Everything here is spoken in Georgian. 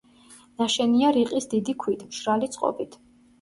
ნაშენია რიყის დიდი ქვით, მშრალი წყობით.